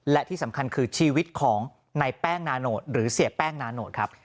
และที่สำคัญคือชีวิตของในแป้งนาโนตหรือเสียแป้งนาโนตครับ